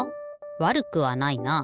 わるくはないな。